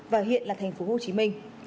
và hiện là tp hcm